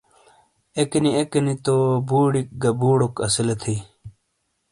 اکینی اکینی تو بھوڑیک گہ بھوڑوک اسیلے تئھی